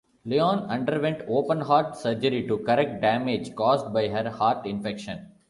Lyonne underwent open heart surgery to correct damage caused by her heart infection.